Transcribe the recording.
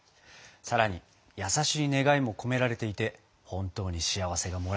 さらに優しい願いも込められていて本当に幸せがもらえそうです！